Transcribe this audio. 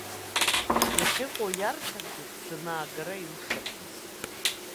Иахьыҟоу иарҳәаргьы дцаны аагара илшарымызт.